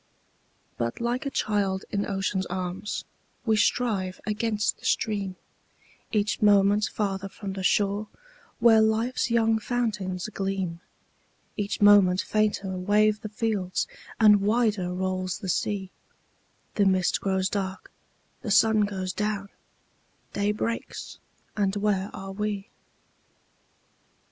But, like a child in ocean's arms, We strive against the stream, Each moment farther from the shore Where life's young fountains gleam; Each moment fainter wave the fields, And wider rolls the sea; The mist grows dark, the sun goes down, Day breaks, and where are we?